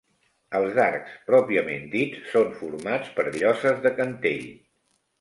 Els arcs pròpiament dits són formats per lloses de cantell.